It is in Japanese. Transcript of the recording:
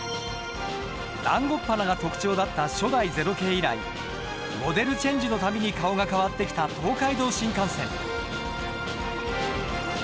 だんごっ鼻が特徴だった初代０系以来モデルチェンジの度に顔が変わってきた東海道新幹線。